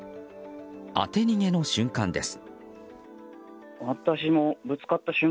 当て逃げの瞬間です。